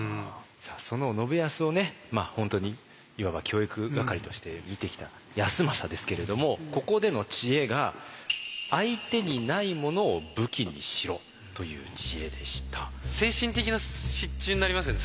その信康を本当にいわば教育係として見てきた康政ですけれどもここでの知恵が精神的な支柱になりますよね